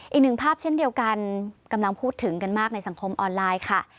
อีกหนึ่งภาพเช่นเดียวกันกำลังพูดถึงกันมากในสังคมออนไลน์ค่ะ